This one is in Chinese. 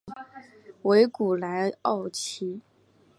维古莱奥齐。